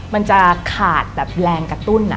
มันจะขาดแบบแรงกระตุ้น